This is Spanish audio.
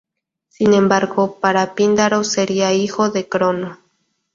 Sin embargo, para Píndaro sería hijo de Crono.